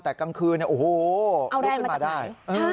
ฟูตมาได้